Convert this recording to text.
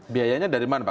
biayanya dari mana pak